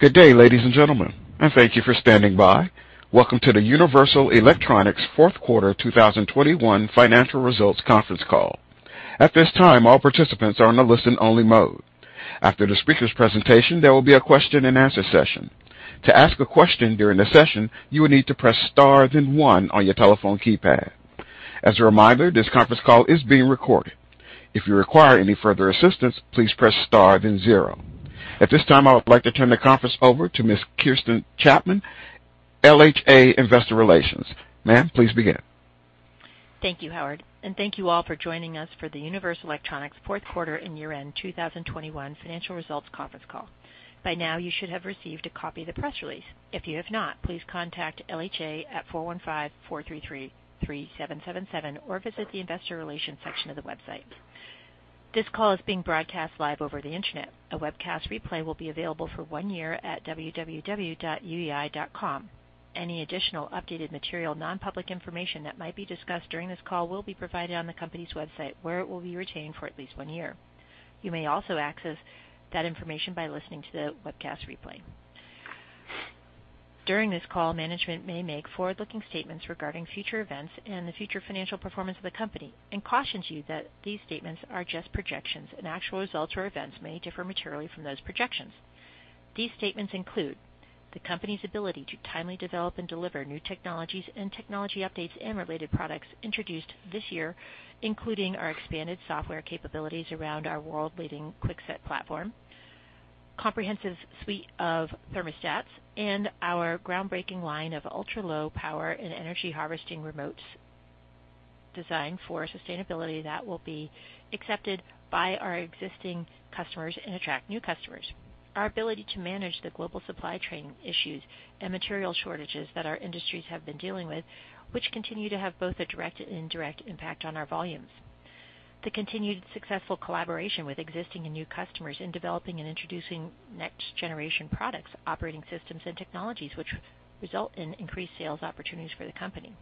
Good day, ladies and gentlemen, and thank you for standing by. Welcome to the Universal Electronics Q4 2021 financial results conference call. At this time, all participants are in a listen-only mode. After the speakers' presentation, there will be a question-and-answer session. To ask a question during the session, you will need to press Star, then one on your telephone keypad. As a reminder, this conference call is being recorded. If you require any further assistance, please press Star, then zero. At this time, I would like to turn the conference over to Ms. Kirsten Chapman, LHA Investor Relations. Ma'am, please begin. Thank you, Howard, and thank you all for joining us for the Universal Electronics Q4 and year-end 2021 financial results conference call. By now, you should have received a copy of the press release. If you have not, please contact LHA at 415-433-3777, or visit the investor relations section of the website. This call is being broadcast live over the Internet. A webcast replay will be available for one year at www.uei.com. Any additional updated material, non-public information that might be discussed during this call will be provided on the company's website, where it will be retained for at least one year. You may also access that information by listening to the webcast replay. During this call, management may make forward-looking statements regarding future events and the future financial performance of the company and cautions you that these statements are just projections and actual results or events may differ materially from those projections. These statements include the company's ability to timely develop and deliver new technologies and technology updates and related products introduced this year, including our expanded software capabilities around our world-leading QuickSet platform, comprehensive suite of thermostats, and our groundbreaking line of ultra-low power and energy harvesting remotes designed for sustainability that will be accepted by our existing customers and attract new customers. Our ability to manage the global supply chain issues and material shortages that our industries have been dealing with, which continue to have both a direct and indirect impact on our volumes. The continued successful collaboration with existing and new customers in developing and introducing next-generation products, operating systems and technologies, which result in increased sales opportunities for the company.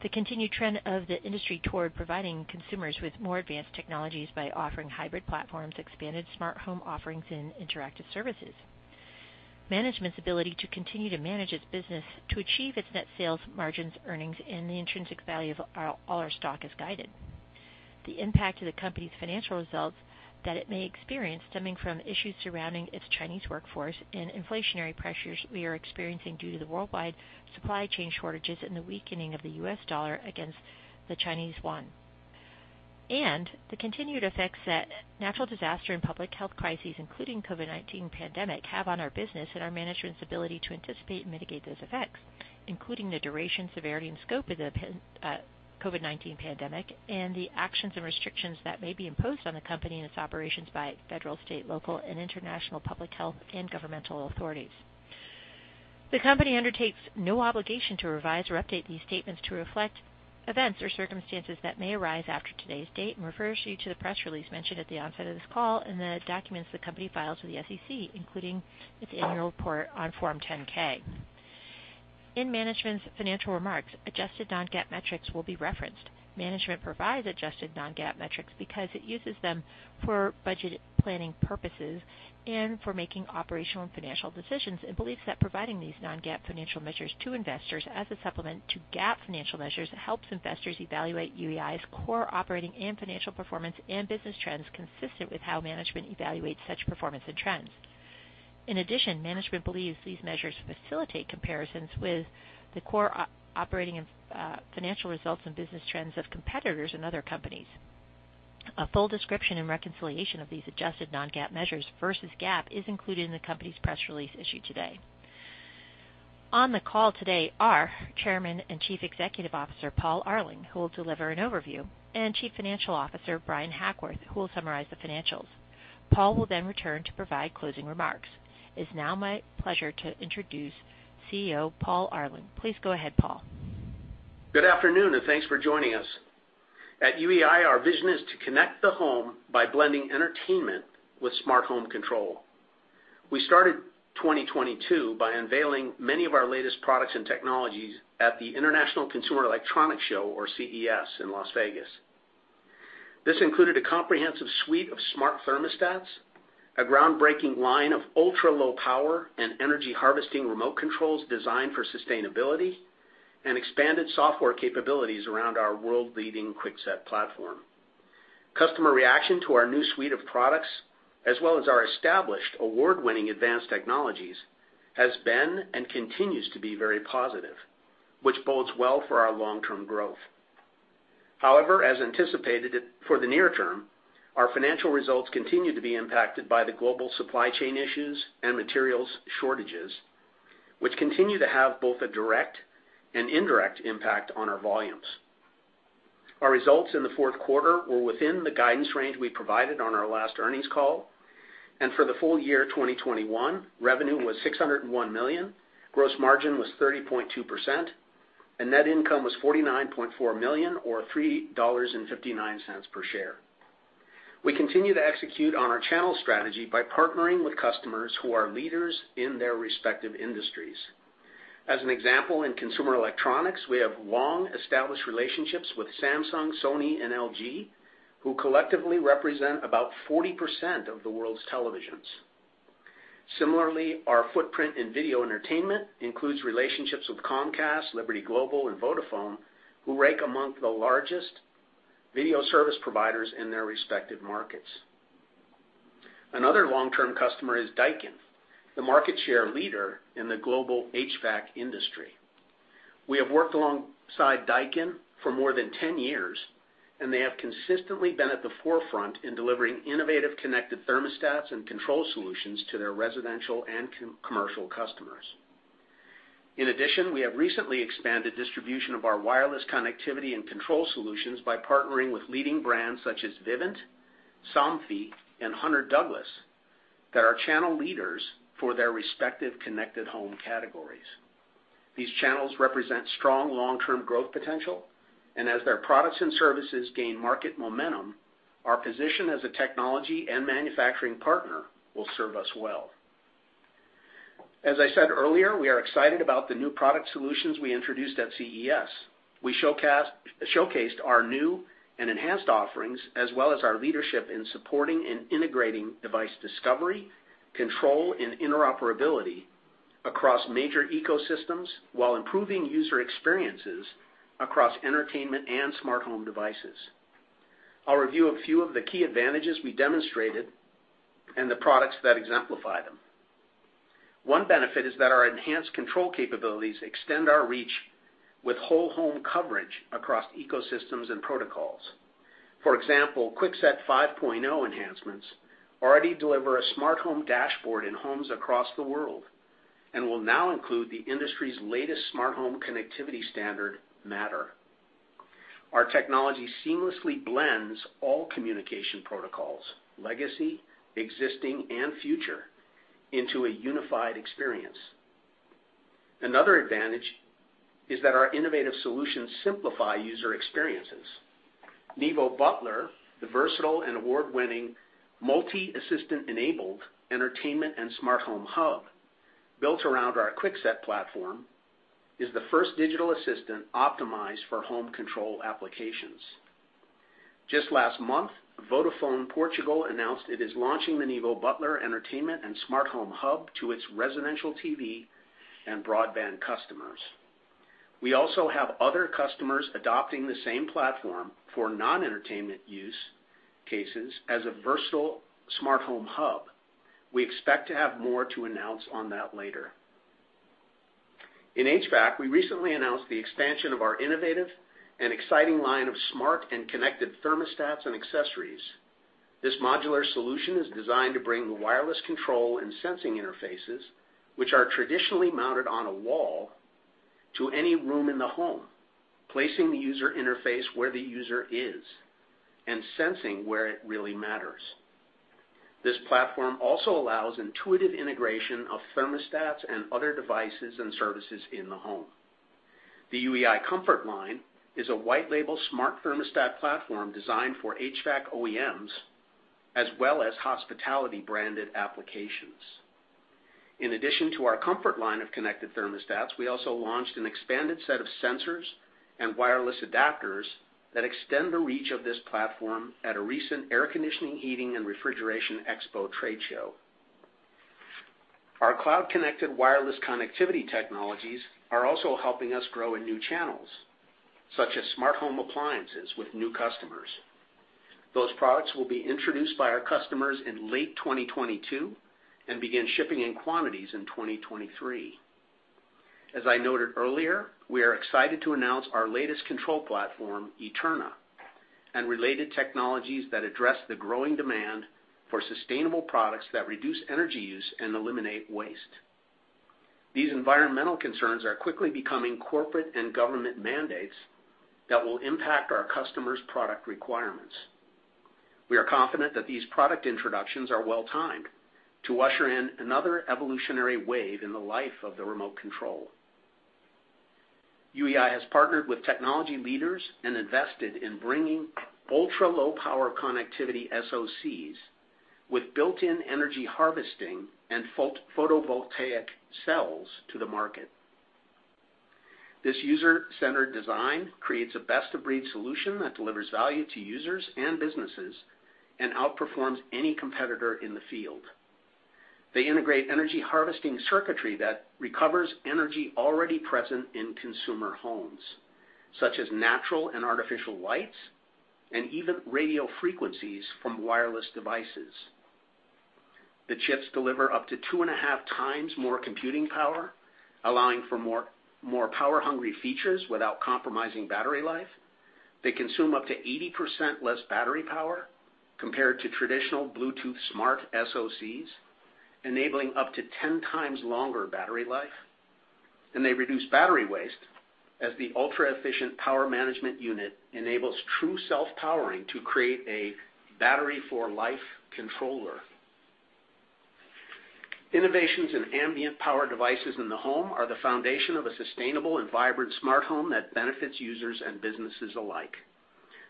The continued trend of the industry toward providing consumers with more advanced technologies by offering hybrid platforms, expanded smart home offerings, and interactive services. Management's ability to continue to manage its business to achieve its net sales margins, earnings, and the intrinsic value of all our stock as guided. The impact of the company's financial results that it may experience stemming from issues surrounding its Chinese workforce and inflationary pressures we are experiencing due to the worldwide supply chain shortages and the weakening of the U.S. dollar against the Chinese yuan. The continued effects that natural disaster and public health crises, including COVID-19 pandemic, have on our business and our management's ability to anticipate and mitigate those effects, including the duration, severity, and scope of the COVID-19 pandemic and the actions and restrictions that may be imposed on the company and its operations by federal, state, local, and international public health and governmental authorities. The company undertakes no obligation to revise or update these statements to reflect events or circumstances that may arise after today's date and refers you to the press release mentioned at the onset of this call and the documents the company filed to the SEC, including its annual report on Form 10-K. In management's financial remarks, adjusted non-GAAP metrics will be referenced. Management provides adjusted non-GAAP metrics because it uses them for budget planning purposes and for making operational and financial decisions, and believes that providing these non-GAAP financial measures to investors as a supplement to GAAP financial measures helps investors evaluate UEI's core operating and financial performance and business trends consistent with how management evaluates such performance and trends. In addition, management believes these measures facilitate comparisons with the core operating and financial results and business trends of competitors and other companies. A full description and reconciliation of these adjusted non-GAAP measures versus GAAP is included in the company's press release issued today. On the call today are Chairman and Chief Executive Officer, Paul Arling, who will deliver an overview, and Chief Financial Officer, Bryan Hackworth, who will summarize the financials. Paul will then return to provide closing remarks. It's now my pleasure to introduce CEO Paul Arling. Please go ahead, Paul. Good afternoon, and thanks for joining us. At UEI, our vision is to connect the home by blending entertainment with smart home control. We started 2022 by unveiling many of our latest products and technologies at the International Consumer Electronics Show, or CES, in Las Vegas. This included a comprehensive suite of smart thermostats, a groundbreaking line of ultra-low power and energy harvesting remote controls designed for sustainability and expanded software capabilities around our world-leading QuickSet platform. Customer reaction to our new suite of products, as well as our established award-winning advanced technologies, has been and continues to be very positive, which bodes well for our long-term growth. However, as anticipated for the near term, our financial results continue to be impacted by the global supply chain issues and materials shortages, which continue to have both a direct and indirect impact on our volumes. Our results in the Q4 were within the guidance range we provided on our last earnings call, and for the full year 2021, revenue was $601 million, gross margin was 30.2%, and net income was $49.4 million or $3.59 per share. We continue to execute on our channel strategy by partnering with customers who are leaders in their respective industries. As an example, in consumer electronics, we have long established relationships with Samsung, Sony, and LG, who collectively represent about 40% of the world's televisions. Similarly, our footprint in video entertainment includes relationships with Comcast, Liberty Global, and Vodafone, who rank among the largest video service providers in their respective markets. Another long-term customer is Daikin, the market share leader in the global HVAC industry. We have worked alongside Daikin for more than 10 years, and they have consistently been at the forefront in delivering innovative connected thermostats and control solutions to their residential and commercial customers. In addition, we have recently expanded distribution of our wireless connectivity and control solutions by partnering with leading brands such as Vivint, Somfy, and Hunter Douglas that are channel leaders for their respective connected home categories. These channels represent strong long-term growth potential, and as their products and services gain market momentum, our position as a technology and manufacturing partner will serve us well. As I said earlier, we are excited about the new product solutions we introduced at CES. We showcased our new and enhanced offerings, as well as our leadership in supporting and integrating device discovery, control, and interoperability across major ecosystems while improving user experiences across entertainment and smart home devices. I'll review a few of the key advantages we demonstrated and the products that exemplify them. One benefit is that our enhanced control capabilities extend our reach with whole home coverage across ecosystems and protocols. For example, QuickSet 5.0 enhancements already deliver a smart home dashboard in homes across the world, and will now include the industry's latest smart home connectivity standard, Matter. Our technology seamlessly blends all communication protocols, legacy, existing, and future, into a unified experience. Another advantage is that our innovative solutions simplify user experiences. Nevo Butler, the versatile and award-winning multi-assistant enabled entertainment and smart home hub built around our QuickSet platform, is the first digital assistant optimized for home control applications. Just last month, Vodafone Portugal announced it is launching the Nevo Butler entertainment and smart home hub to its residential TV and broadband customers. We also have other customers adopting the same platform for non-entertainment use cases as a versatile smart home hub. We expect to have more to announce on that later. In HVAC, we recently announced the expansion of our innovative and exciting line of smart and connected thermostats and accessories. This modular solution is designed to bring the wireless control and sensing interfaces, which are traditionally mounted on a wall, to any room in the home, placing the user interface where the user is and sensing where it really matters. This platform also allows intuitive integration of thermostats and other devices and services in the home. The UEI Comfort Line is a white label smart thermostat platform designed for HVAC OEMs as well as hospitality branded applications. In addition to our Comfort Line of connected thermostats, we also launched an expanded set of sensors and wireless adapters that extend the reach of this platform at a recent air conditioning, heating, and refrigeration expo trade show. Our cloud-connected wireless connectivity technologies are also helping us grow in new channels, such as smart home appliances with new customers. Those products will be introduced by our customers in late 2022 and begin shipping in quantities in 2023. As I noted earlier, we are excited to announce our latest control platform, Eterna, and related technologies that address the growing demand for sustainable products that reduce energy use and eliminate waste. These environmental concerns are quickly becoming corporate and government mandates that will impact our customers' product requirements. We are confident that these product introductions are well-timed to usher in another evolutionary wave in the life of the remote control. UEI has partnered with technology leaders and invested in bringing ultra-low power connectivity SoCs with built-in energy harvesting and photovoltaic cells to the market. This user-centered design creates a best-of-breed solution that delivers value to users and businesses and outperforms any competitor in the field. They integrate energy harvesting circuitry that recovers energy already present in consumer homes, such as natural and artificial lights and even radio frequencies from wireless devices. The chips deliver up to 2.5 times more computing power, allowing for more power-hungry features without compromising battery life. They consume up to 80% less battery power compared to traditional Bluetooth Smart SoCs, enabling up to 10 times longer battery life. They reduce battery waste as the ultra-efficient power management unit enables true self-powering to create a battery for life controller. Innovations in ambient power devices in the home are the foundation of a sustainable and vibrant smart home that benefits users and businesses alike.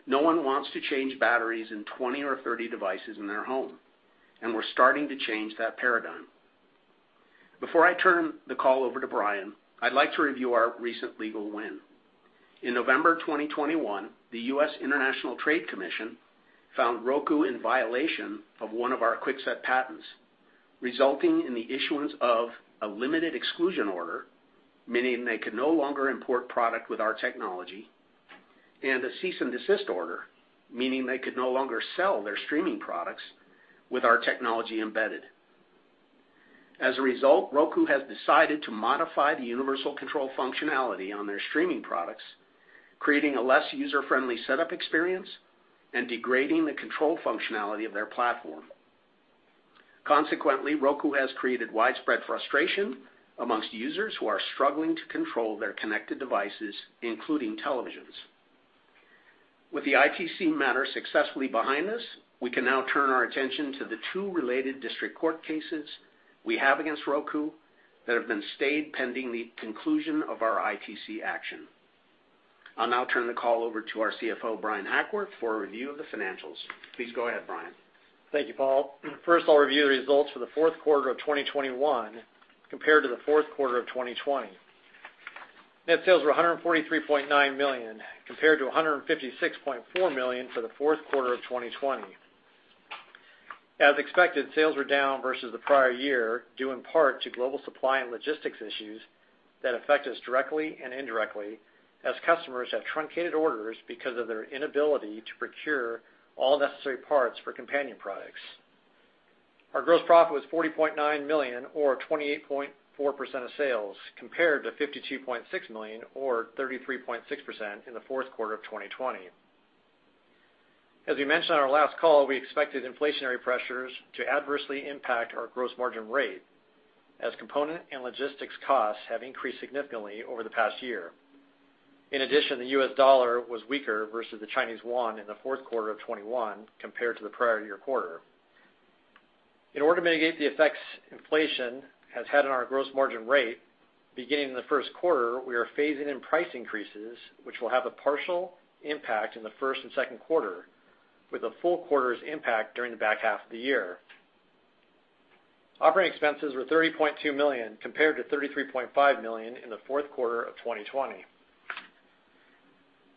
No one wants to change batteries in 20 or 30 devices in their home, and we're starting to change that paradigm. Before I turn the call over to Bryan, I'd like to review our recent legal win. In November 2021, the United States International Trade Commission found Roku in violation of one of our QuickSet patents, resulting in the issuance of a limited exclusion order, meaning they could no longer import product with our technology, and a cease and desist order, meaning they could no longer sell their streaming products with our technology embedded. As a result, Roku has decided to modify the universal control functionality on their streaming products, creating a less user-friendly setup experience and degrading the control functionality of their platform. Consequently, Roku has created widespread frustration among users who are struggling to control their connected devices, including televisions. With the ITC matter successfully behind us, we can now turn our attention to the two related district court cases we have against Roku that have been stayed pending the conclusion of our ITC action. I'll now turn the call over to our CFO, Bryan Hackworth, for a review of the financials. Please go ahead, Bryan. Thank you, Paul. First, I'll review the results for the Q4 of 2021 compared to the Q4 of 2020. Net sales were $143.9 million, compared to $156.4 million for the Q4 of 2020. As expected, sales were down versus the prior year, due in part to global supply and logistics issues that affect us directly and indirectly as customers have truncated orders because of their inability to procure all necessary parts for companion products. Our gross profit was $40.9 million, or 28.4% of sales, compared to $52.6 million, or 33.6% in the Q4 of 2020. As we mentioned on our last call, we expected inflationary pressures to adversely impact our gross margin rate as component and logistics costs have increased significantly over the past year. In addition, the U.S. dollar was weaker versus the Chinese yuan in the Q4 of 2021 compared to the prior year quarter. In order to mitigate the effects inflation has had on our gross margin rate, beginning in the Q1, we are phasing in price increases, which will have a partial impact in the first and Q2, with a full quarter's impact during the back half of the year. Operating expenses were $30.2 million, compared to $33.5 million in the Q4 of 2020.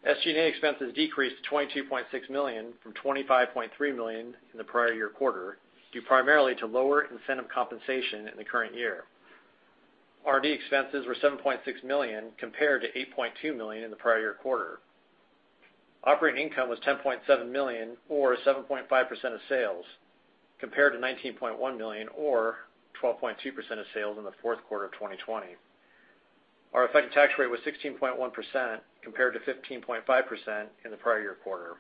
SG&A expenses decreased to $22.6 million from $25.3 million in the prior year quarter, due primarily to lower incentive compensation in the current year. R&D expenses were $7.6 million, compared to $8.2 million in the prior year quarter. Operating income was $10.7 million, or 7.5% of sales, compared to $19.1 million, or 12.2% of sales in the Q4 of 2020. Our effective tax rate was 16.1%, compared to 15.5% in the prior year quarter.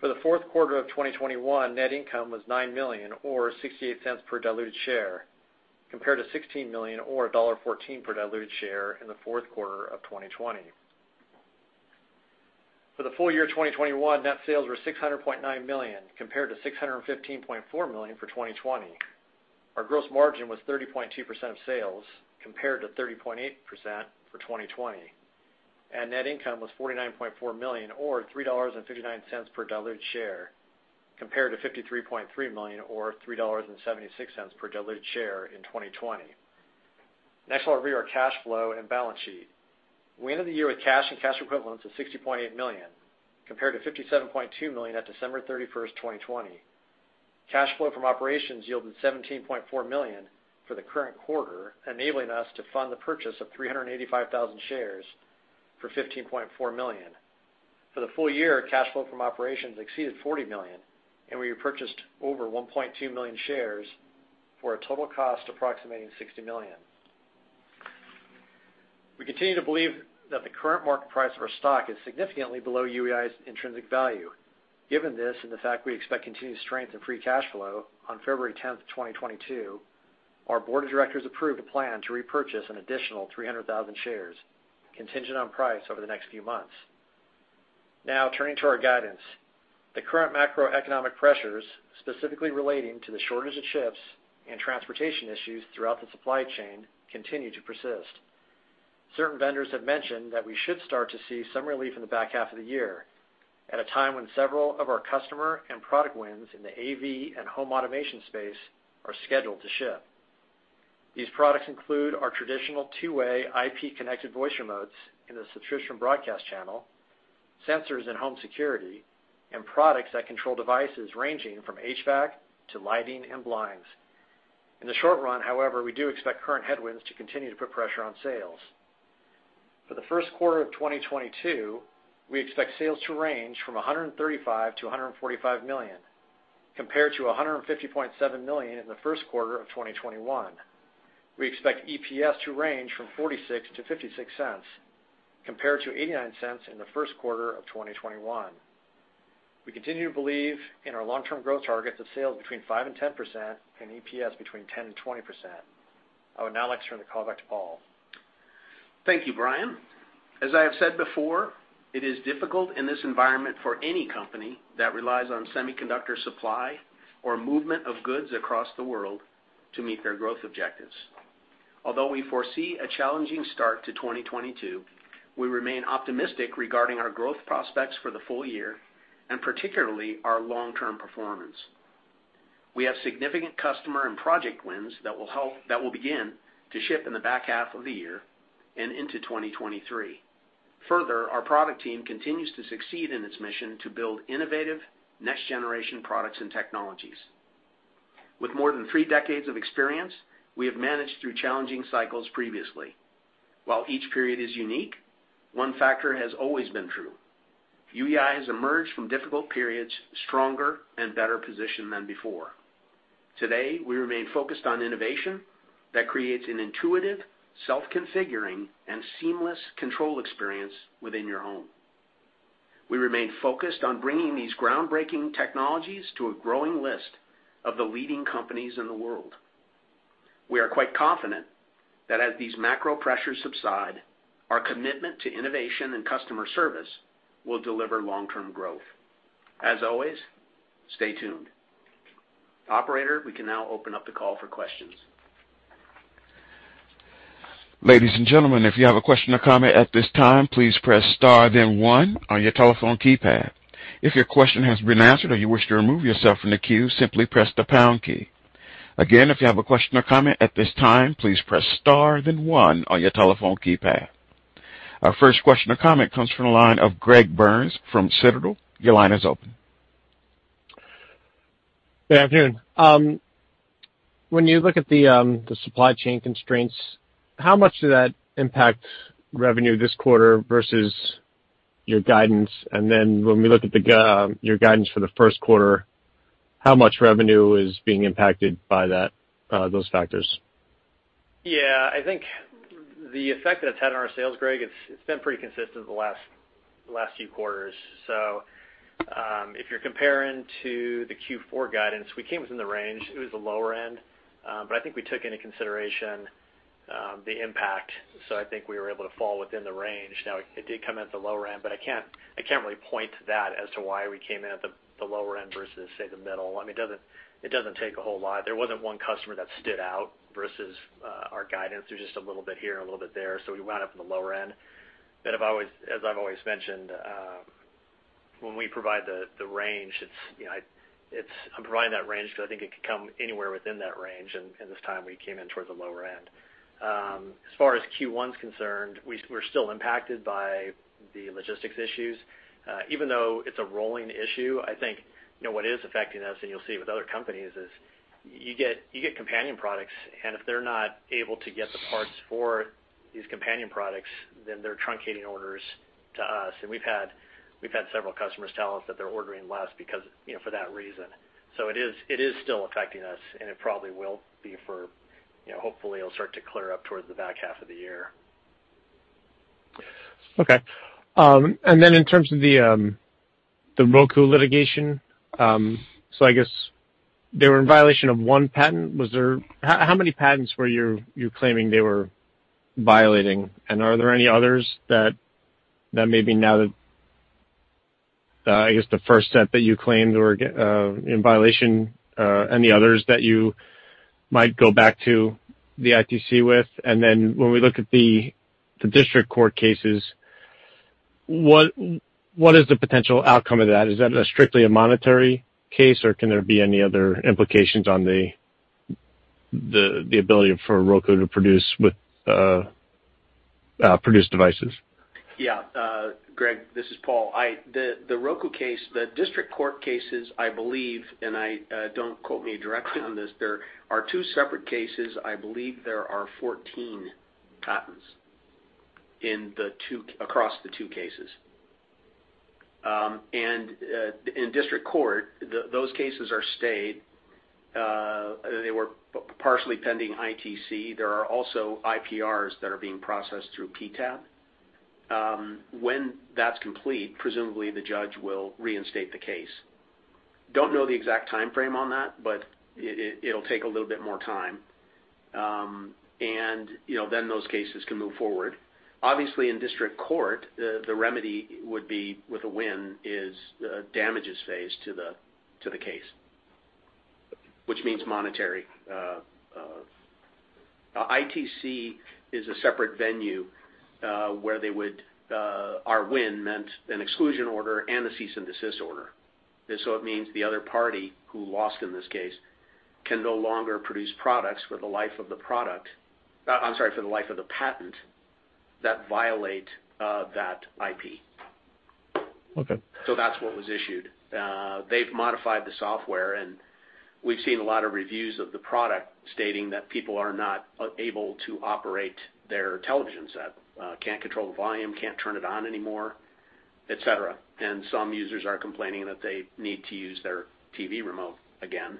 For the Q4 of 2021, net income was $9 million, or $0.68 per diluted share, compared to $16 million, or $1.14 per diluted share in the Q4 of 2020. For the full year of 2021, net sales were $600.9 million, compared to $615.4 million for 2020. Our gross margin was 30.2% of sales, compared to 30.8% for 2020. Net income was $49.4 million, or $3.59 per diluted share, compared to $53.3 million, or $3.76 per diluted share in 2020. Next, I'll review our cash flow and balance sheet. We ended the year with cash and cash equivalents of $60.8 million, compared to $57.2 million at December 31, 2020. Cash flow from operations yielded $17.4 million for the current quarter, enabling us to fund the purchase of 385,000 shares for $15.4 million. For the full year, cash flow from operations exceeded $40 million, and we repurchased over 1.2 million shares for a total cost approximating $60 million. We continue to believe that the current market price of our stock is significantly below UEI's intrinsic value. Given this, and the fact we expect continued strength in free cash flow, on February 10th, 2022, our board of directors approved a plan to repurchase an additional 300,000 shares contingent on price over the next few months. Now turning to our guidance. The current macroeconomic pressures, specifically relating to the shortage of ships and transportation issues throughout the supply chain, continue to persist. Certain vendors have mentioned that we should start to see some relief in the back half of the year, at a time when several of our customer and product wins in the AV and home automation space are scheduled to ship. These products include our traditional two-way IP-connected voice remotes in the subscription broadcast channel, sensors in home security, and products that control devices ranging from HVAC to lighting and blinds. In the short run, however, we do expect current headwinds to continue to put pressure on sales. For the Q1 of 2022, we expect sales to range from $135 million-$145 million, compared to $150.7 million in the Q1 of 2021. We expect EPS to range from 46-56 cents, compared to 89 cents in the Q1 of 2021. We continue to believe in our long-term growth targets of sales between 5%-10% and EPS between 10%-20%. I would now like to turn the call back to Paul. Thank you, Bryan. As I have said before, it is difficult in this environment for any company that relies on semiconductor supply or movement of goods across the world to meet their growth objectives. Although we foresee a challenging start to 2022, we remain optimistic regarding our growth prospects for the full year, and particularly our long-term performance. We have significant customer and project wins that will begin to ship in the back half of the year and into 2023. Further, our product team continues to succeed in its mission to build innovative next generation products and technologies. With more than three decades of experience, we have managed through challenging cycles previously. While each period is unique, one factor has always been true. UEI has emerged from difficult periods stronger and better positioned than before. Today, we remain focused on innovation that creates an intuitive, self-configuring, and seamless control experience within your home. We remain focused on bringing these groundbreaking technologies to a growing list of the leading companies in the world. We are quite confident that as these macro pressures subside, our commitment to innovation and customer service will deliver long-term growth. As always, stay tuned. Operator, we can now open up the call for questions. Our first question or comment comes from the line of Greg Burns from Sidoti. Your line is open. Good afternoon. When you look at the supply chain constraints, how much did that impact revenue this quarter versus your guidance? When we look at your guidance for the Q1, how much revenue is being impacted by that, those factors? Yeah. I think the effect that it's had on our sales, Greg, it's been pretty consistent the last few quarters. If you're comparing to the Q4 guidance, we came within the range. It was the lower end, but I think we took into consideration the impact. I think we were able to fall within the range. Now, it did come at the lower end, but I can't really point to that as to why we came in at the lower end versus, say, the middle. I mean, it doesn't take a whole lot. There wasn't one customer that stood out versus our guidance. It was just a little bit here and a little bit there, so we wound up in the lower end. I've always mentioned, when we provide the range, it's, you know, I'm providing that range because I think it could come anywhere within that range, and this time we came in towards the lower end. As far as Q1's concerned, we're still impacted by the logistics issues. Even though it's a rolling issue, I think, you know, what is affecting us, and you'll see it with other companies, is you get companion products, and if they're not able to get the parts for these companion products, then they're truncating orders to us. We've had several customers tell us that they're ordering less because, you know, for that reason. It is still affecting us, and it probably will be for, you know, hopefully it'll start to clear up towards the back half of the year. Okay. In terms of the Roku litigation, I guess they were in violation of one patent. How many patents were you claiming they were violating? Are there any others that maybe now that I guess the first set that you claimed were in violation, any others that you might go back to the ITC with? When we look at the district court cases, what is the potential outcome of that? Is that strictly a monetary case, or can there be any other implications on the ability for Roku to produce devices? Yeah. Greg, this is Paul. The Roku case, the district court cases, I believe, and I don't quote me directly on this, there are two separate cases. I believe there are 14 patents across the two cases. In district court, those cases are stayed. They were partially pending ITC. There are also IPRs that are being processed through PTAB. When that's complete, presumably the judge will reinstate the case. Don't know the exact timeframe on that, but it'll take a little bit more time. You know, then those cases can move forward. Obviously, in district court, the remedy would be with a win is a damages phase to the case, which means monetary. ITC is a separate venue where our win meant an exclusion order and a cease and desist order. It means the other party who lost in this case can no longer produce products for the life of the patent that violate that IP. Okay. That's what was issued. They've modified the software, and we've seen a lot of reviews of the product stating that people are not able to operate their television set, can't control the volume, can't turn it on anymore, et cetera. Some users are complaining that they need to use their TV remote again.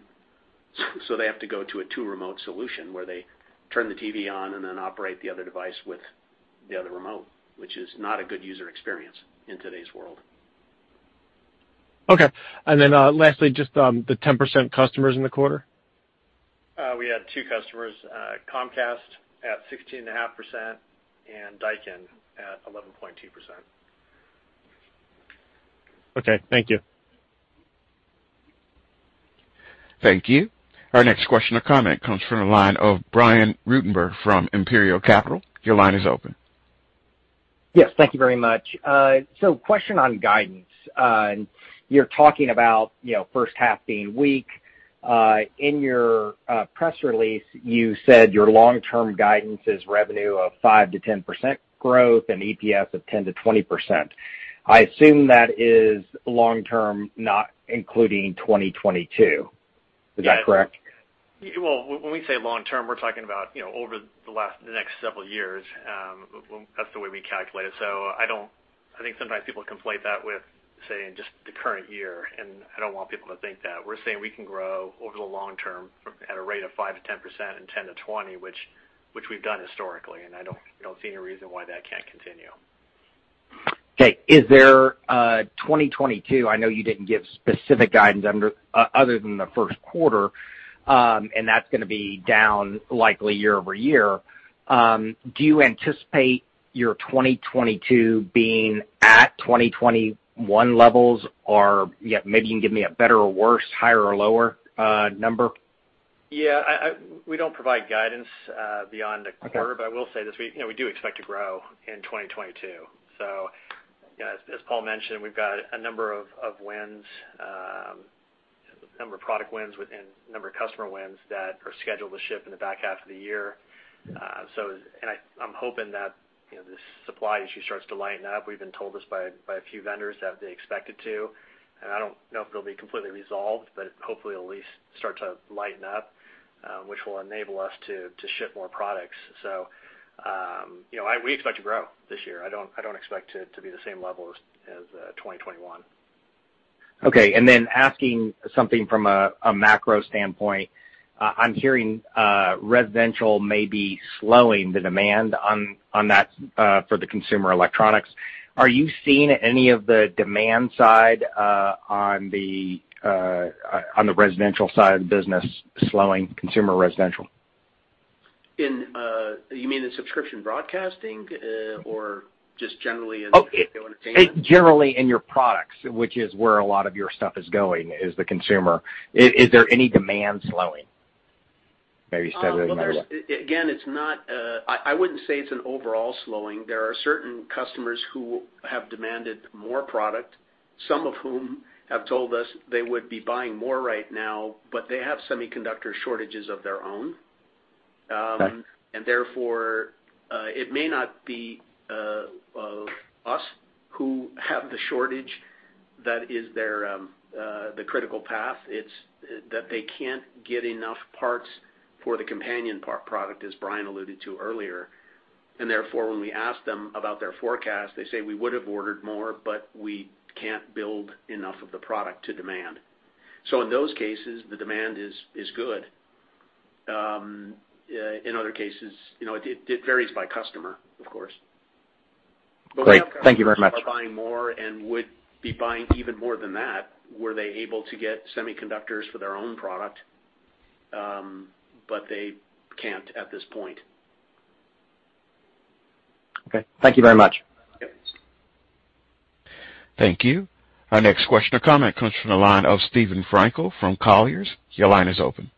They have to go to a two remote solution where they turn the TV on and then operate the other device with the other remote, which is not a good user experience in today's world. Okay. Lastly, just, the 10% customers in the quarter. We had two customers, Comcast at 16.5% and Daikin at 11.2%. Okay. Thank you. Thank you. Our next question or comment comes from the line of Brian Ruttenbur from Imperial Capital. Your line is open. Yes. Thank you very much. Question on guidance. You're talking about, you know, H1 being weak. In your press release, you said your long-term guidance is revenue of 5%-10% growth and EPS of 10%-20%. I assume that is long-term, not including 2022. Is that correct? Well, when we say long-term, we're talking about, you know, the next several years. Well, that's the way we calculate it. I think sometimes people conflate that with, say, in just the current year, and I don't want people to think that. We're saying we can grow over the long term at a rate of 5%-10% and 10%-20%, which we've done historically, and I don't see any reason why that can't continue. Okay. Is there 2022, I know you didn't give specific guidance under other than the Q1, and that's gonna be down likely year-over-year. Do you anticipate your 2022 being at 2021 levels or, yeah, maybe you can give me a better or worse, higher or lower, number? Yeah. We don't provide guidance beyond the quarter. Okay. I will say this. We, you know, we do expect to grow in 2022. As Paul mentioned, we've got a number of customer wins that are scheduled to ship in the back half of the year. I'm hoping that, you know, the supply issue starts to lighten up. We've been told this by a few vendors that they expect it to. I don't know if it'll be completely resolved, but hopefully at least start to lighten up, which will enable us to ship more products. You know, we expect to grow this year. I don't expect to be the same level as 2021. Okay. Then, asking something from a macro standpoint, I'm hearing residential may be slowing the demand on that for the consumer electronics. Are you seeing any of the demand side on the residential side of the business slowing consumer residential? You mean the subscription broadcasting, or just generally in entertainment? Oh, in general, in your products, which is where a lot of your stuff is going, is the consumer. Is there any demand slowing? Maybe you said it in another way. Well, again, it's not. I wouldn't say it's an overall slowing. There are certain customers who have demanded more product, some of whom have told us they would be buying more right now, but they have semiconductor shortages of their own. Okay. Therefore, it may not be us who have the shortage that is the critical path. It's that they can't get enough parts for the companion product, as Bryan alluded to earlier. Therefore, when we ask them about their forecast, they say, "We would have ordered more, but we can't build enough of the product to demand." In those cases, the demand is good. In other cases, you know, it varies by customer, of course. Great. Thank you very much. Manufacturers are buying more and would be buying even more than that were they able to get semiconductors for their own product, but they can't at this point. Okay. Thank you very much. Yep. Thank you. Our next question or comment comes from the line of Steven Frankel from Colliers. Your line is open.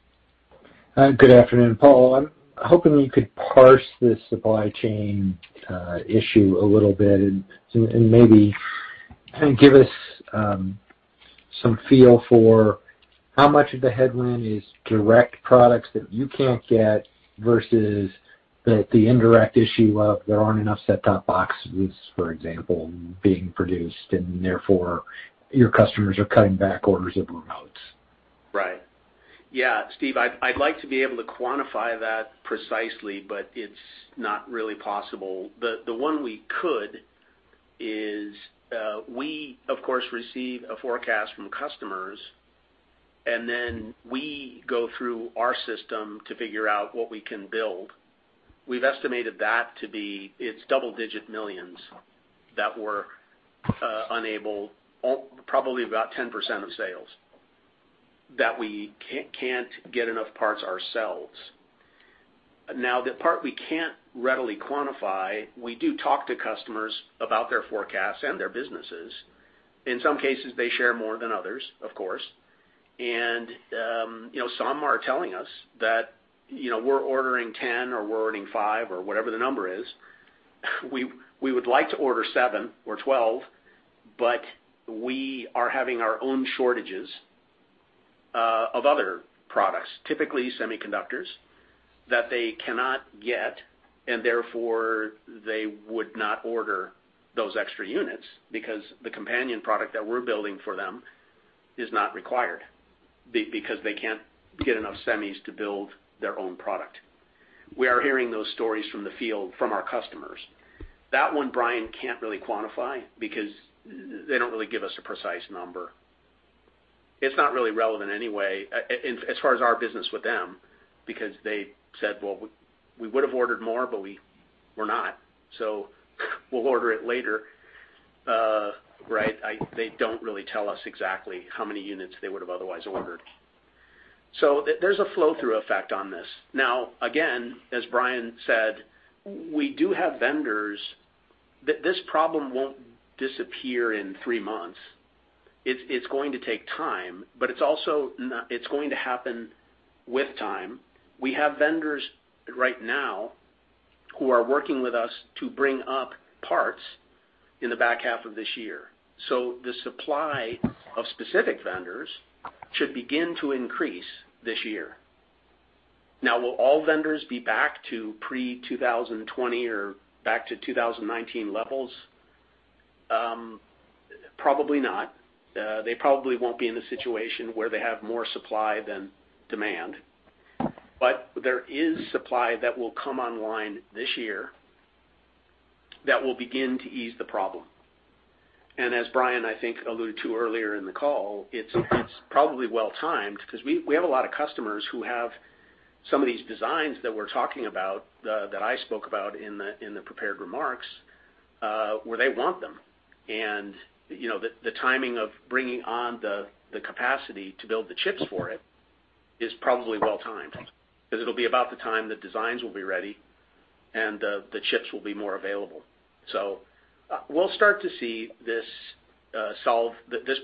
Good afternoon, Paul. I'm hoping you could parse the supply chain issue a little bit and maybe kind of give us some feel for how much of the headwind is direct products that you can't get versus the indirect issue of there aren't enough set-top boxes, for example, being produced, and therefore your customers are cutting back orders of remotes. Right. Yeah. Steve, I'd like to be able to quantify that precisely, but it's not really possible. The one we could is, we of course receive a forecast from customers, and then we go through our system to figure out what we can build. We've estimated that to be. It's double-digit millions that we're unable, probably about 10% of sales that we can't get enough parts ourselves. Now, the part we can't readily quantify, we do talk to customers about their forecasts and their businesses. In some cases, they share more than others, of course. You know, some are telling us that, you know, we're ordering 10 or we're ordering five or whatever the number is. We would like to order 7 or 12, but we are having our own shortages of other products, typically semiconductors that they cannot get, and therefore they would not order those extra units because the companion product that we're building for them is not required because they can't get enough semis to build their own product. We are hearing those stories from the field from our customers. That one, Bryan can't really quantify because they don't really give us a precise number. It's not really relevant anyway as far as our business with them because they said, "Well, we would have ordered more, but we're not. So we'll order it later." Right? They don't really tell us exactly how many units they would have otherwise ordered. There's a flow-through effect on this. Now, again, as Bryan said, we do have vendors that this problem won't disappear in 3 months. It's going to take time, but it's also not. It's going to happen with time. We have vendors right now who are working with us to bring up parts in the back half of this year. So the supply of specific vendors should begin to increase this year. Now, will all vendors be back to pre-2020 or back to 2019 levels? Probably not. They probably won't be in a situation where they have more supply than demand. There is supply that will come online this year that will begin to ease the problem. As Bryan, I think, alluded to earlier in the call, it's probably well timed because we have a lot of customers who have some of these designs that we're talking about, that I spoke about in the prepared remarks, where they want them. You know, the timing of bringing on the capacity to build the chips for it is probably well timed because it'll be about the time the designs will be ready and the chips will be more available. We'll start to see this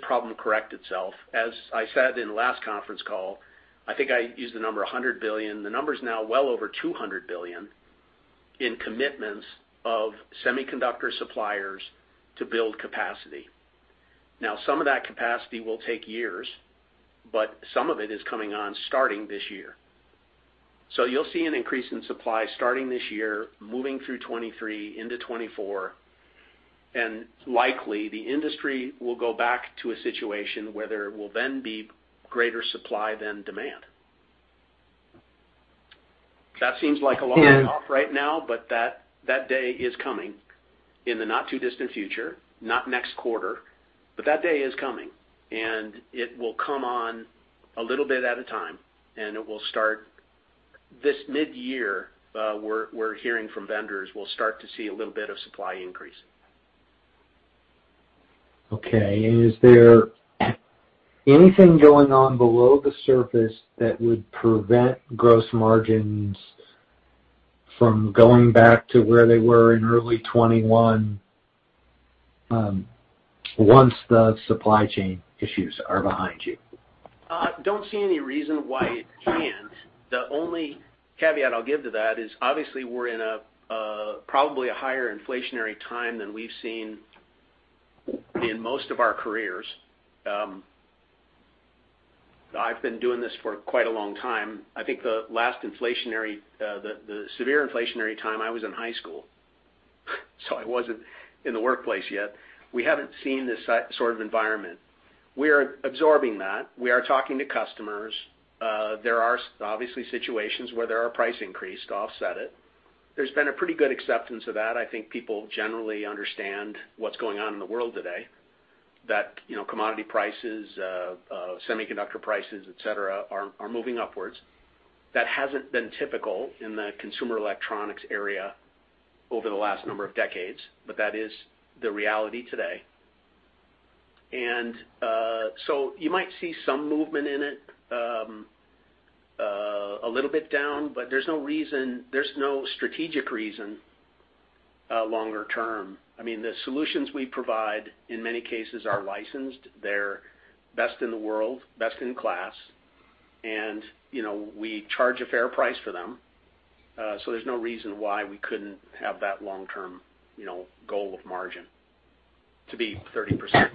problem correct itself. As I said in the last conference call, I think I used the number $100 billion. The number is now well over $200 billion in commitments of semiconductor suppliers to build capacity. Some of that capacity will take years, but some of it is coming on starting this year. You'll see an increase in supply starting this year, moving through 2023 into 2024, and likely the industry will go back to a situation where there will then be greater supply than demand. That seems like a long shot right now, but that day is coming in the not too distant future, not next quarter, but that day is coming. It will come on a little bit at a time, and it will start this mid-year. We're hearing from vendors we'll start to see a little bit of supply increase. Okay. Is there anything going on below the surface that would prevent gross margins from going back to where they were in early 2021, once the supply chain issues are behind you? Don't see any reason why it can't. The only caveat I'll give to that is obviously we're in a probably a higher inflationary time than we've seen in most of our careers. I've been doing this for quite a long time. I think the last severe inflationary time I was in high school, so I wasn't in the workplace yet. We haven't seen this sort of environment. We are absorbing that. We are talking to customers. There are obviously situations where there are price increase to offset it. There's been a pretty good acceptance of that. I think people generally understand what's going on in the world today, that, you know, commodity prices, semiconductor prices, et cetera, are moving upwards. That hasn't been typical in the consumer electronics area over the last number of decades, but that is the reality today. You might see some movement in it, a little bit down, but there's no strategic reason longer term. I mean, the solutions we provide in many cases are licensed. They're best in the world, best in class, and, you know, we charge a fair price for them. There's no reason why we couldn't have that long-term, you know, goal of margin to be 30%.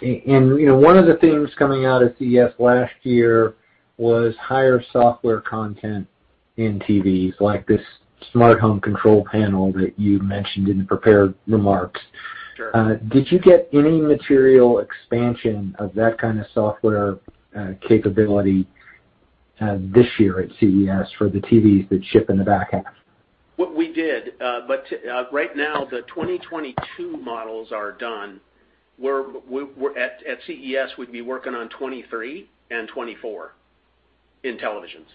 You know, one of the things coming out of CES last year was higher software content in TVs, like this smart home control panel that you mentioned in the prepared remarks. Sure. Did you get any material expansion of that kind of software capability this year at CES for the TVs that ship in the back half? We did. But right now, the 2022 models are done. At CES, we'd be working on 2023 and 2024 in televisions.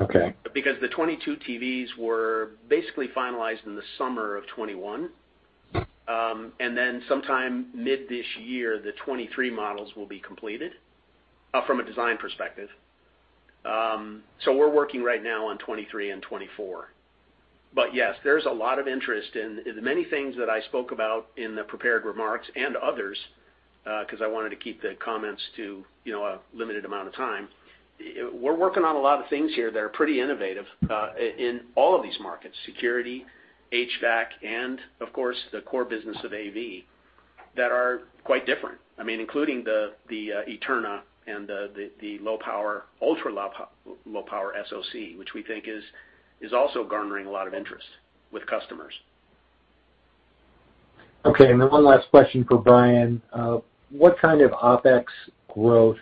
Okay. Because the 2022 TVs were basically finalized in the summer of 2021. Then sometime mid this year, the 2023 models will be completed from a design perspective. We're working right now on 2023 and 2024. Yes, there's a lot of interest in the many things that I spoke about in the prepared remarks and others because I wanted to keep the comments to, you know, a limited amount of time. We're working on a lot of things here that are pretty innovative in all of these markets, security, HVAC, and of course, the core business of AV that are quite different. I mean, including the Eterna and the low power SoC, which we think is also garnering a lot of interest with customers. Okay. One last question for Bryan. What kind of OpEx growth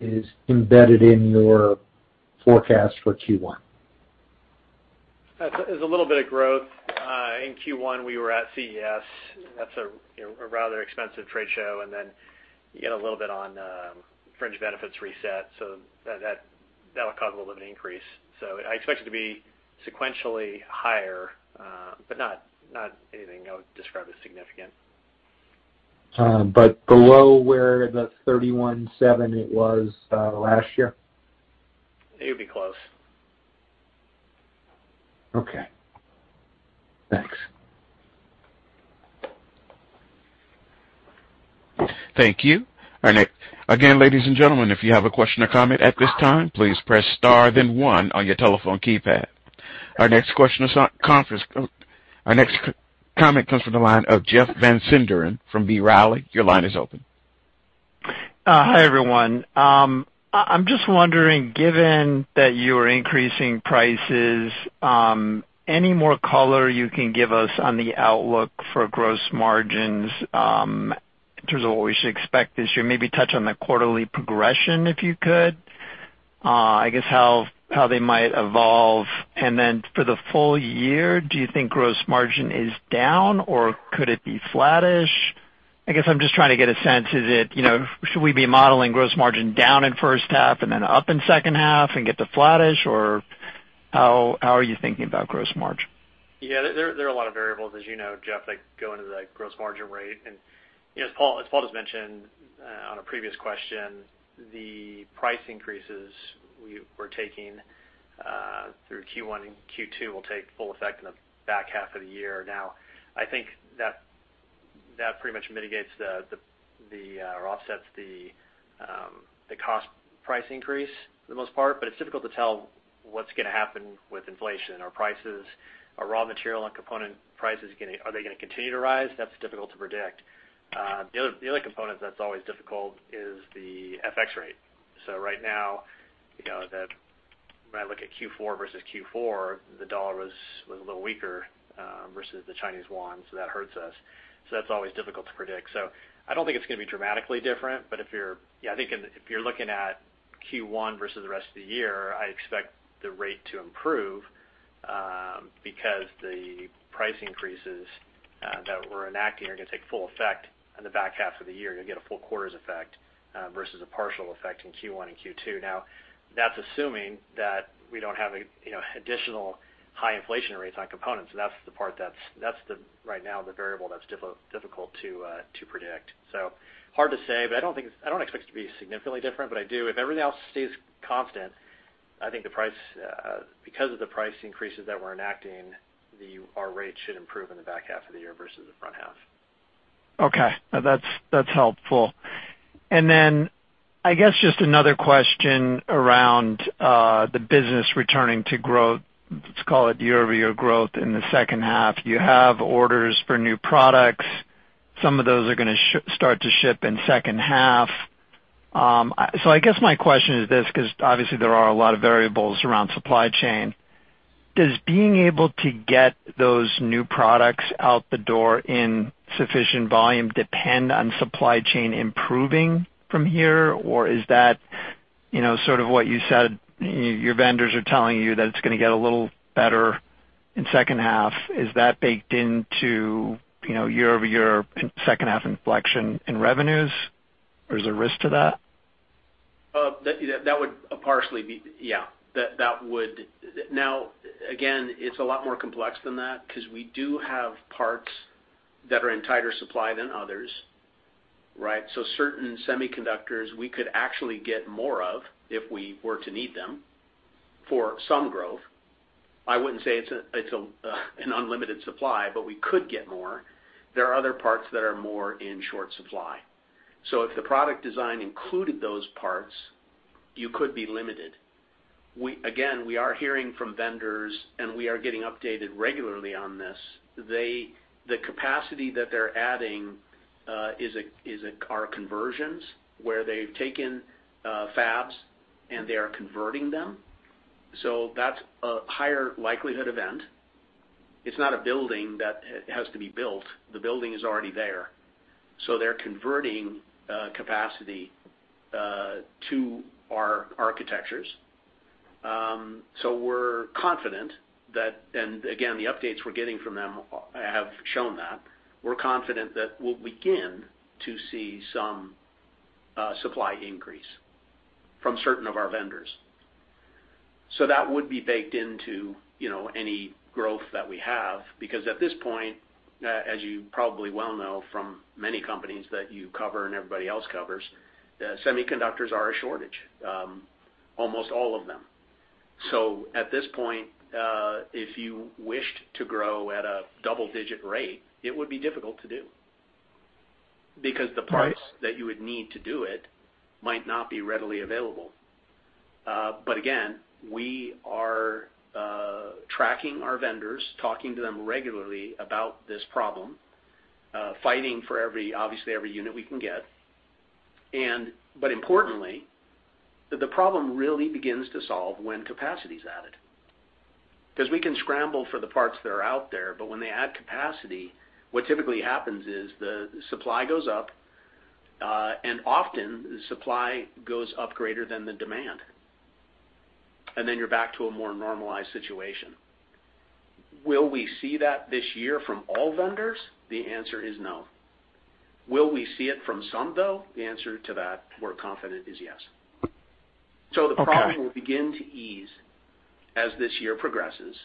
is embedded in your forecast for Q1? There's a little bit of growth. In Q1, we were at CES. That's a you know a rather expensive trade show. Then you get a little bit on fringe benefits reset. That'll cause a little bit of an increase. I expect it to be sequentially higher, but not anything I would describe as significant. Below where the 31.7% it was last year? It'll be close. Okay. Thanks. Thank you. Again, ladies and gentlemen, if you have a question or comment at this time, please press star then one on your telephone keypad. Our next comment comes from the line of Jeff Van Sinderen from B. Riley. Your line is open. Hi, everyone. I'm just wondering, given that you are increasing prices, any more color you can give us on the outlook for gross margins, in terms of what we should expect this year? Maybe touch on the quarterly progression, if you could. I guess how they might evolve. For the full year, do you think gross margin is down, or could it be flattish? I guess I'm just trying to get a sense. Is it, you know, should we be modeling gross margin down in H1 and then up in H2 and get to flattish, or how are you thinking about gross margin? Yeah. There are a lot of variables, as you know, Jeff, that go into the gross margin rate. You know, as Paul just mentioned on a previous question, the price increases we're taking through Q1 and Q2 will take full effect in the back half of the year. Now, I think that pretty much mitigates or offsets the cost price increase for the most part, but it's difficult to tell what's gonna happen with inflation. Are prices, raw material and component prices gonna continue to rise? That's difficult to predict. The other component that's always difficult is the FX rate. So right now, you know, when I look at Q4 versus Q4, the dollar was a little weaker versus the Chinese yuan, so that hurts us. That's always difficult to predict. I don't think it's gonna be dramatically different. If you're looking at Q1 versus the rest of the year, I expect the rate to improve because the price increases that we're enacting are gonna take full effect in the back half of the year. You'll get a full quarter's effect versus a partial effect in Q1 and Q2. Now, that's assuming that we don't have a you know additional high inflation rates on components. That's the part that's, right now, the variable that's difficult to predict. Hard to say, but I don't expect it to be significantly different. I do, if everything else stays constant, I think the price, because of the price increases that we're enacting, our rate should improve in the back half of the year versus the front half. Okay. No, that's helpful. I guess just another question around the business returning to growth, let's call it year-over-year growth in the H2. You have orders for new products. Some of those are gonna start to ship in H2. I guess my question is this, 'cause obviously there are a lot of variables around supply chain. Does being able to get those new products out the door in sufficient volume depend on supply chain improving from here? Or is that, you know, sort of what you said your vendors are telling you that it's gonna get a little better in H2. Is that baked into, you know, year-over-year H2 inflection in revenues? Or is there risk to that? That would partially be. Yeah. Now, again, it's a lot more complex than that, 'cause we do have parts that are in tighter supply than others, right? So certain semiconductors we could actually get more of if we were to need them for some growth. I wouldn't say it's an unlimited supply, but we could get more. There are other parts that are more in short supply. So if the product design included those parts, you could be limited. Again, we are hearing from vendors, and we are getting updated regularly on this. The capacity that they're adding are conversions where they've taken fabs and they are converting them. So that's a higher likelihood event. It's not a building that has to be built. The building is already there. They're converting capacity to our architectures. We're confident that, again, the updates we're getting from them have shown that we'll begin to see some supply increase from certain of our vendors. That would be baked into, you know, any growth that we have. Because at this point, as you probably well know from many companies that you cover and everybody else covers, there's a shortage of semiconductors, almost all of them. At this point, if you wished to grow at a double-digit rate, it would be difficult to do because the parts that you would need to do it might not be readily available. Again, we are tracking our vendors, talking to them regularly about this problem, fighting for every unit we can get, obviously. Importantly, the problem really begins to solve when capacity is added. 'Cause we can scramble for the parts that are out there, but when they add capacity, what typically happens is the supply goes up, and often the supply goes up greater than the demand, and then you're back to a more normalized situation. Will we see that this year from all vendors? The answer is no. Will we see it from some, though? The answer to that, we're confident, is yes. Okay. The problem will begin to ease as this year progresses,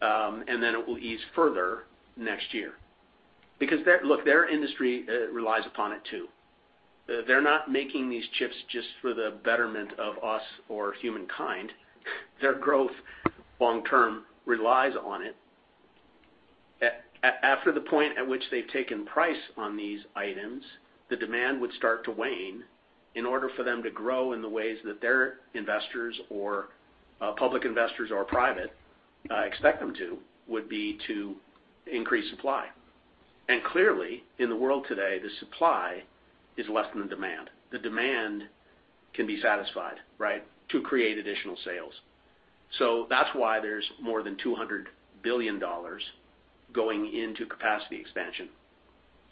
and then it will ease further next year. Because their industry relies upon it too. They're not making these chips just for the betterment of us or humankind. Their growth long term relies on it. After the point at which they've taken price on these items, the demand would start to wane in order for them to grow in the ways that their investors or public investors or private expect them to, would be to increase supply. Clearly, in the world today, the supply is less than the demand. The demand can be satisfied, right, to create additional sales. That's why there's more than $200 billion going into capacity expansion.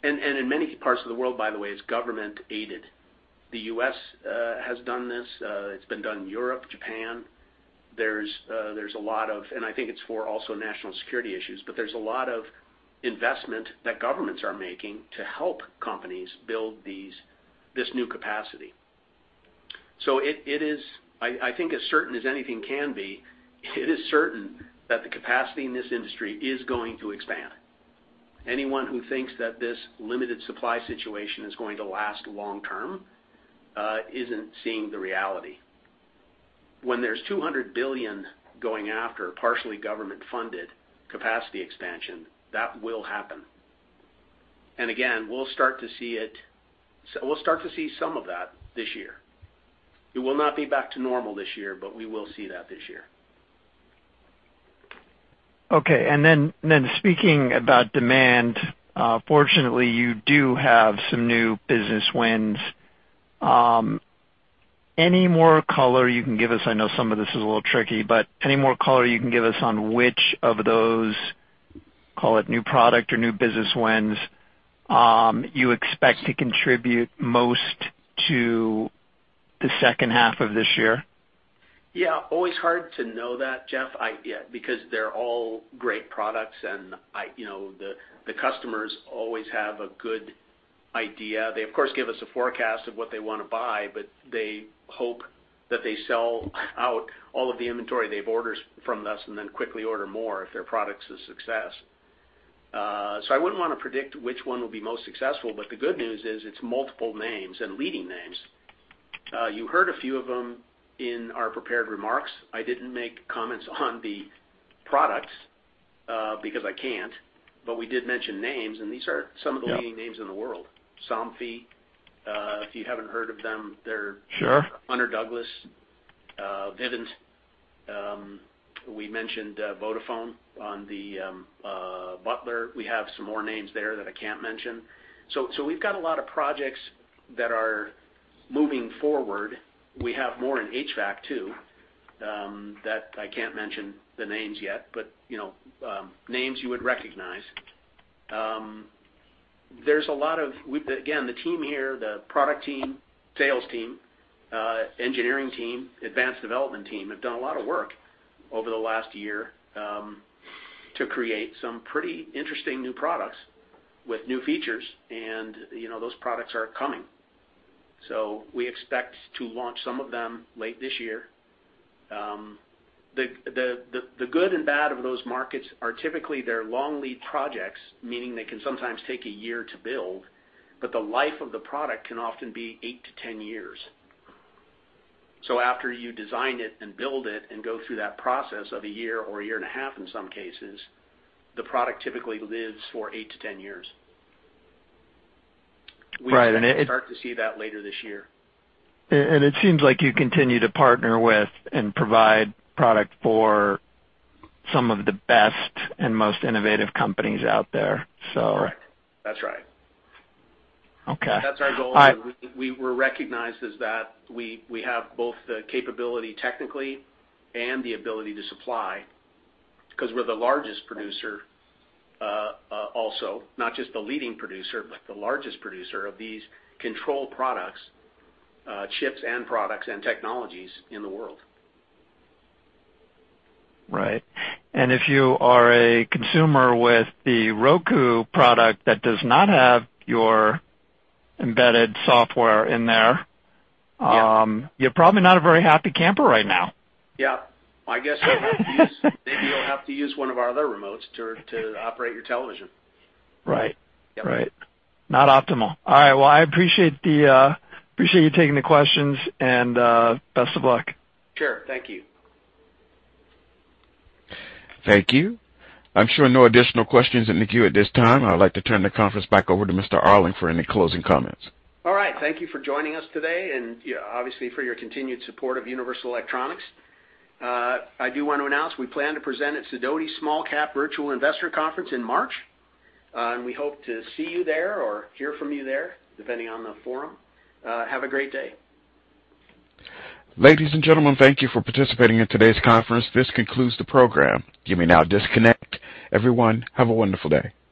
And in many parts of the world, by the way, it's government-aided. The U.S. has done this. It's been done in Europe, Japan. There's a lot of investment that governments are making to help companies build this new capacity. I think it's also for national security issues, but there's a lot of investment that governments are making to help companies build this new capacity. It is, I think, as certain as anything can be. It is certain that the capacity in this industry is going to expand. Anyone who thinks that this limited supply situation is going to last long term isn't seeing the reality. When there's $200 billion going after partially government-funded capacity expansion, that will happen. We'll start to see it. We'll start to see some of that this year. It will not be back to normal this year, but we will see that this year. Okay. Speaking about demand, fortunately, you do have some new business wins. Any more color you can give us? I know some of this is a little tricky, but any more color you can give us on which of those, call it new product or new business wins, you expect to contribute most to the H2 of this year? Yeah, always hard to know that, Jeff. Because they're all great products, and you know, the customers always have a good idea. They of course give us a forecast of what they wanna buy, but they hope that they sell out all of the inventory they've ordered from us and then quickly order more if their product's a success. So I wouldn't wanna predict which one will be most successful, but the good news is it's multiple names and leading names. You heard a few of them in our prepared remarks. I didn't make comments on the products because I can't, but we did mention names, and these are some of the- Yeah. leading names in the world. Somfy, if you haven't heard of them, they're- Sure. Hunter Douglas, Vivint. We mentioned Vodafone on the Butler. We have some more names there that I can't mention. We've got a lot of projects that are moving forward. We have more in HVAC too, that I can't mention the names yet, but you know, names you would recognize. Again, the team here, the product team, sales team, engineering team, advanced development team, have done a lot of work over the last year to create some pretty interesting new products with new features. You know, those products are coming. We expect to launch some of them late this year. The good and bad of those markets are typically they're long lead projects, meaning they can sometimes take a year to build, but the life of the product can often be 8-10 years. After you design it and build it and go through that process of a year or a year and a half, in some cases, the product typically lives for 8-10 years. Right. We start to see that later this year. It seems like you continue to partner with and provide product for some of the best and most innovative companies out there, so. Correct. That's right. Okay. All right. That's our goal, and we're recognized as that. We have both the capability technically and the ability to supply 'cause we're the largest producer, also, not just the leading producer, but the largest producer of these control products, chips and products and technologies in the world. Right. If you are a consumer with the Roku product that does not have your embedded software in there. Yeah. You're probably not a very happy camper right now. Yeah. I guess you'll have to use one of our other remotes to operate your television. Right. Yeah. Right. Not optimal. All right. Well, I appreciate you taking the questions, and best of luck. Sure. Thank you. Thank you. I'm showing no additional questions in the queue at this time. I'd like to turn the conference back over to Mr. Arling for any closing comments. All right. Thank you for joining us today and yeah, obviously, for your continued support of Universal Electronics. I do want to announce we plan to present at Sidoti Small-Cap Virtual Conference in March, and we hope to see you there or hear from you there, depending on the forum. Have a great day. Ladies and gentlemen, thank you for participating in today's conference. This concludes the program. You may now disconnect. Everyone, have a wonderful day.